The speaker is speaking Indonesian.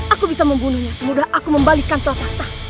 aku bisa membunuhnya semudah aku membalikkan telah patah